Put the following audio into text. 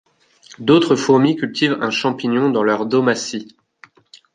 D'autres fourmis cultivent un champignon dans leurs domaties.